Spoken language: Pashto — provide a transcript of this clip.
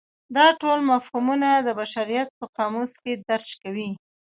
دا ټول مفهومونه د بشریت په قاموس کې درج کوي.